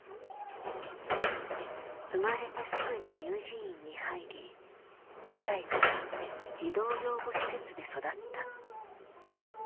生まれてすぐに乳児院に入り２歳から児童養護施設で育った。